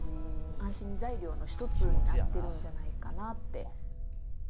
安心材料の一つになってるんじゃないかなって。